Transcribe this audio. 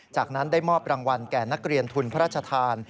จากนั้นได้มอบรางวัลแก่นักเรียนทุนพระราชทาน